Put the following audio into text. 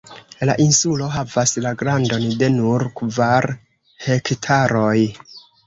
La insulo havas la grandon de nur kvar hektaroj.